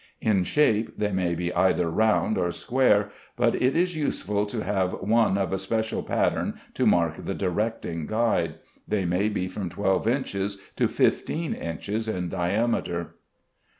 In shape they may be either round or square, but it is useful to have one of a special pattern to mark the directing guide. They may be from 12 inches to 15 inches in diameter.